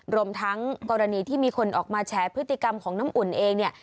รวมทั้งกรณีที่มีคนออกมาแฉพฤติกรรมของน้ำอุ่นเองเนี่ย